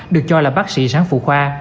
được cho là bác sĩ sáng phụ khoa